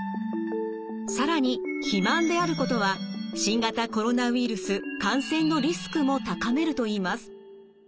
更に肥満であることは新型コロナウイルス感染のリスクも高めると言います。